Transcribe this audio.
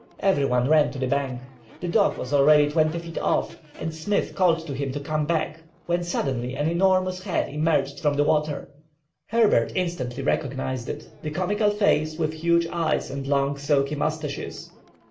Every one ran to the bank. The dog was already twenty feet off, and Smith called to him to come back, when suddenly an enormous head emerged from the water. Herbert instantly recognized it, the comical face, with huge eyes and long silky moustaches.